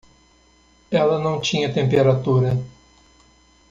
Ela não tinha temperatura.